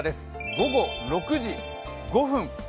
午後６時５分。